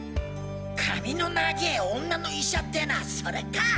髪の長ぇ女の医者ってのはそれか！